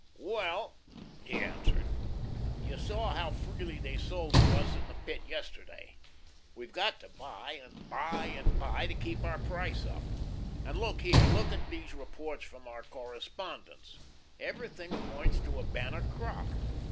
"Well," he answered, "you saw how freely they sold to us in the Pit yesterday. We've got to buy, and buy and buy, to keep our price up; and look here, look at these reports from our correspondents everything points to a banner crop.